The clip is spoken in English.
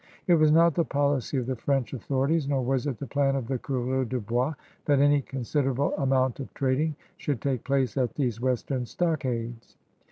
It was not the policy of the French authorities, nor was it the plan of the coureurs de boisy that any considerable amount of trading should take place at these western stockades.